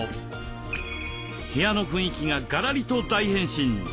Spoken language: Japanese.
部屋の雰囲気がガラリと大変身！